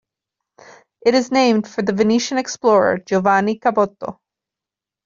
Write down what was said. It is named for the Venetian explorer Giovanni Caboto.